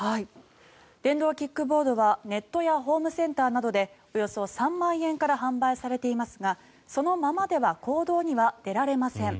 電動キックボードはネットやホームセンターなどでおよそ３万円から販売されていますがそのままでは公道には出られません。